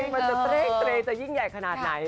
มันจะเต้งเตรจะยิ่งใหญ่ขนาดไหน